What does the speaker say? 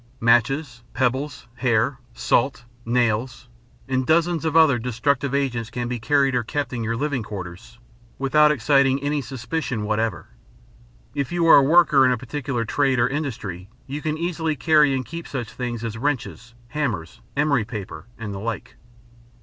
Matches, pebbles, hair, salt, nails, and dozens of other destructive agents can be carried or kept in your living quarters without exciting any suspicion whatever. If you are a worker in a particular trade or industry you can easily carry and keep such things as wrenches, hammers, emery paper, and the like.